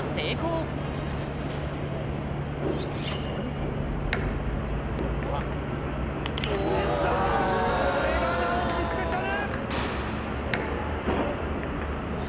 これが「ナオキスペシャル」！